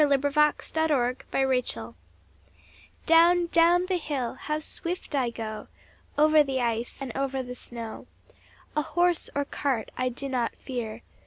[Illustration: D] Down, down the hill how swift I go! Over the ice, and over the snow; A horse or cart I do not fear.